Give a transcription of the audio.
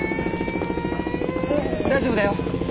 大丈夫だよ。